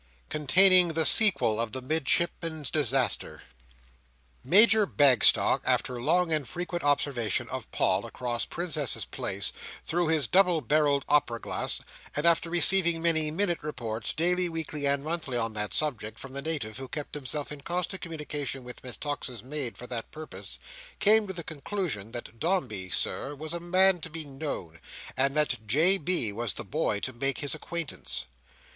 Containing the Sequel of the Midshipman's Disaster Major Bagstock, after long and frequent observation of Paul, across Princess's Place, through his double barrelled opera glass; and after receiving many minute reports, daily, weekly, and monthly, on that subject, from the native who kept himself in constant communication with Miss Tox's maid for that purpose; came to the conclusion that Dombey, Sir, was a man to be known, and that J. B. was the boy to make his acquaintance.